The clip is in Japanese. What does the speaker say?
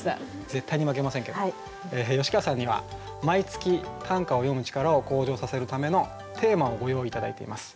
絶対に負けませんけど吉川さんには毎月短歌を詠む力を向上させるためのテーマをご用意頂いています。